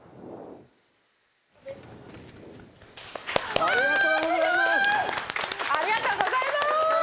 あ、すごい！ありがとうございます。